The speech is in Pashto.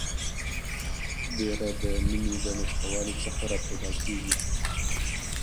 بیره د میني د نشتوالي څخه راپیدا کیږي